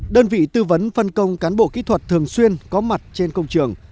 đơn vị tư vấn phân công cán bộ kỹ thuật thường xuyên có mặt trên công trường